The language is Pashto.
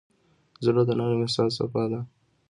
زړه د نرم احساس څپه ده.